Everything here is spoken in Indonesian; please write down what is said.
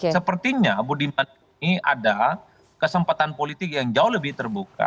sepertinya budiman ini ada kesempatan politik yang jauh lebih terbuka